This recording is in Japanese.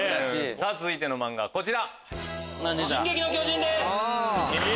さぁ続いての漫画はこちら。